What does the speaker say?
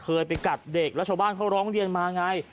เคยไปกัดเด็กรัชบ้านเขาร้องเรียนมาไง